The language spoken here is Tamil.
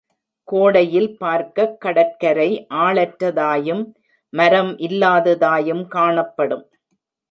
கோடையில் பார்க்கக் கடற்கரை ஆளற்றதாயும் மரம் இல்லாததாயும் காணப்படும்.